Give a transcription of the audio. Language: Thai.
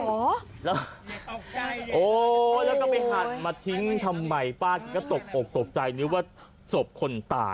โอ้โหแล้วก็ไปหั่นมาทิ้งทำไมป้าก็ตกอกตกใจนึกว่าศพคนตาย